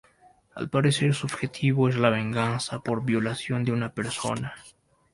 Al parecer, su objetivo es la venganza por violación de una persona.